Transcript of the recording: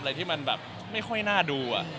อะไรที่มันแบบไม่ค่อยน่าดู